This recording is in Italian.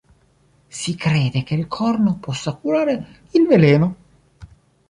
Si crede che il corno possa curare il veleno.